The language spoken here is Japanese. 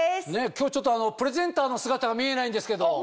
今日ちょっとプレゼンターの姿が見えないんですけど。